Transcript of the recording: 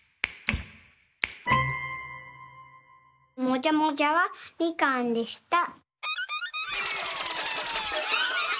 もじゃもじゃはみかんでした。